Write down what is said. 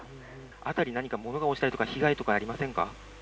辺り何かものが落ちたりとか被害ありませんか？